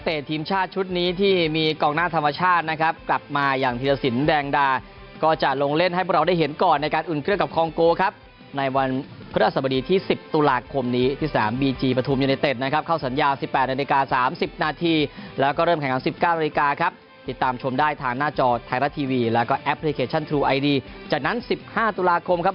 เราก็ต้องลองซ้อมลองหมุนเครื่องกับคองโก้ดูครับ